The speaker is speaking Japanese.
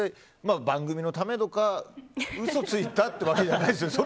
番組のためとか嘘ついたってわけじゃないですよね？